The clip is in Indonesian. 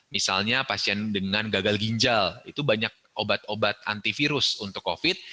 misalnya pasien dengan gagal ginjal itu banyak obat obat antivirus untuk covid